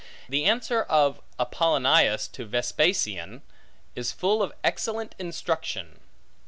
The answer of Apollonius to Vespasian, is full of excellent instruction.